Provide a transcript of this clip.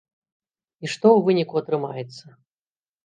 І што ў выніку атрымаецца?